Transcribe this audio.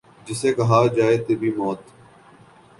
جسے کہا جائے کہ طبیعی موت